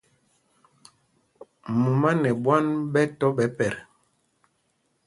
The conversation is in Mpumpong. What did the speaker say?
Mumá nɛ ɓwân ɓɛ tɔ́ ɓɛ pɛt.